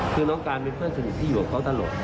คือน้องการเป็นเพื่อนสนิทที่อยู่กับเขาตลอด